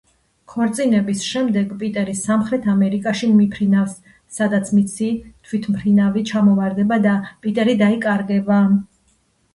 ქორწინების შემდეგ პიტერი სამხრეთ ამერიკაში მიფრინავს, სადაც მისი თვითმფრინავი ჩამოვარდება და პიტერი დაიკარგება.